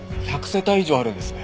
１００世帯以上あるんです。